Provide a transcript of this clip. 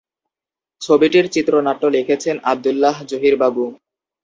ছবিটির চিত্রনাট্য লিখেছেন আব্দুল্লাহ জহির বাবু।